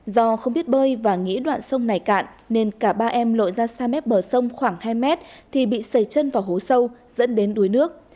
do không biết bơi và nghĩ đoạn sông này cạn nên cả ba em lội ra xa mép bờ sông khoảng hai mét thì bị sầy chân vào hố sâu dẫn đến đuối nước